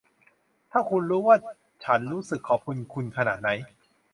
ถ้าคุณรู้ว่าฉันรู้สึกขอบคุณคุณขนาดไหน